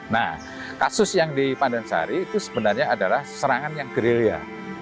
nah kasus yang di pandansari itu sebenarnya adalah serangan yang gerilya